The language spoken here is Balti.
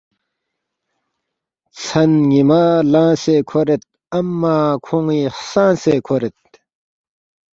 ژھن نیما لنگسے کھورید امّہ کھونی خسنگسے کھورید